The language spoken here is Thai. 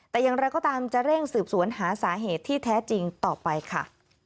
แต่อย่างไรก็ตามจะเร่งสืบสวนหาสาเหตุที่แท้จริงต่อไปค่ะ